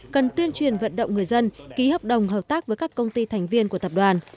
cần tuyên truyền vận động người dân ký hợp đồng hợp tác với các công ty thành viên của tập đoàn